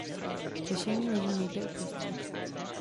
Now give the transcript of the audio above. Řešení leží někde uprostřed.